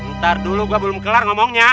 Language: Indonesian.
ntar dulu gue belum kelar ngomongnya